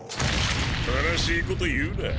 悲しいこと言うな。